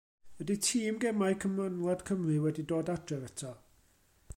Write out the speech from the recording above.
Ydy tîm gemau gymanwlad Cymru wedi dod adref eto?